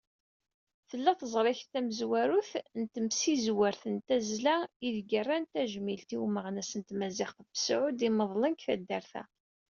Tella teẓrigt tamezwarut n temsizwert n tazzla, ideg rran tajmilt i umeɣnas n tmaziɣt Besεud i imeḍlen deg taddart-a.